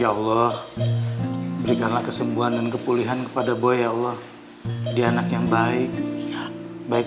ya allah berikanlah kesembuhan dan kepulihan kepada boya allah dia anak yang baik baik